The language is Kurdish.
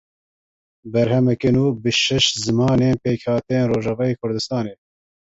Berhemeke nû bi şeş zimanên pêkhateyên Rojavayê Kurdistanê.